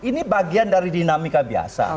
ini bagian dari dinamika biasa